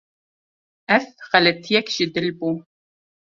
Ev xeletiyek ji dil bû.